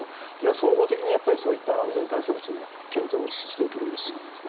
総合的にそういった安全対策は検討していくべきだと思います。